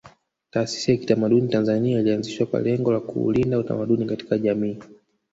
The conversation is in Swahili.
Taasisi ya kitamaduni Tanzania ilianzishwa kwa lengo la kuulinda utamaduni katika jamii